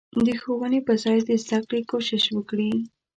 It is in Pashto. د ښوونې په ځای د زدکړې کوشش وکړي.